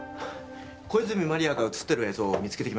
小泉万里亜が映っている映像を見つけてきました。